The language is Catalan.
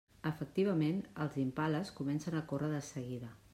Efectivament, els impales comencen a córrer de seguida.